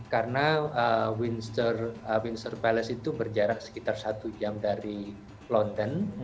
karena windsor palace itu berjarak sekitar satu jam dari london